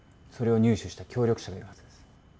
それを入手した協力者がいるはずです。